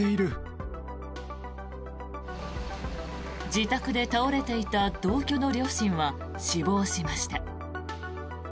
自宅で倒れていた同居の両親は死亡しました。